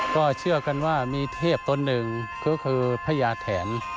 ก็เชื่อกันว่ามีเทพตนหนึ่งก็คือพญาแถน